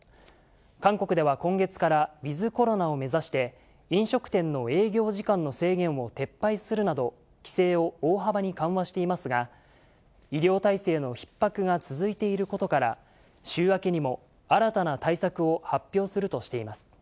韓国では今月から、ウィズコロナを目指して、飲食店の営業時間の制限を撤廃するなど、規制を大幅に緩和していますが、医療体制のひっ迫が続いていることから、週明けにも新たな対策を発表するとしています。